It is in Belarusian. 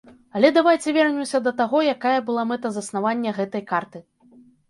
Але давайце вернемся да таго, якая была мэта заснавання гэтай карты.